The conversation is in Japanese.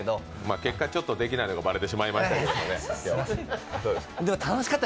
結果、ちょっとできないのがバレてしまいましたけど、どうでした？